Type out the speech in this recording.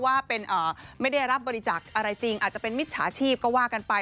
ว่าไม่ได้รับบริจาคอะไรจริงอาจจะเป็นมิจฉาชีพก็ว่ากันไป